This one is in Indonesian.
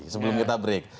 sebelum kita break